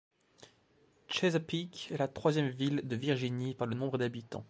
Chesapeake est la troisième ville de Virginie par le nombre d'habitants.